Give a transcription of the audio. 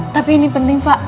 tapi ini penting pak